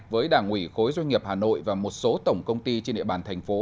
với đảng ủy khối doanh nghiệp hà nội và một số tổng công ty trên địa bàn thành phố